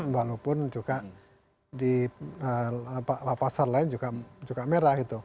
walaupun juga di pasar lain juga merah gitu